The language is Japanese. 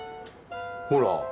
ほら。